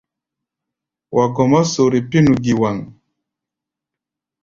Wa gɔmá sore pínu giwaŋ.